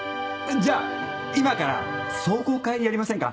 じゃあ今から壮行会やりませんか？